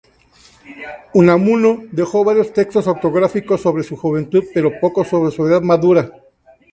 Unamuno dejó varios textos autobiográficos sobre su juventud, pero pocos sobre su edad madura.